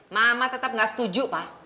mama tetap nggak setuju pak